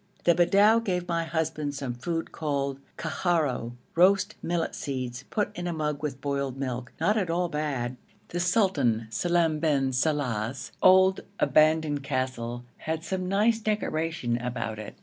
The Bedou gave my husband some food called kharou, roast millet seeds put in a mug with boiled milk, not at all bad. The Sultan Salem bin Saleh's old abandoned castle had some nice decoration about it.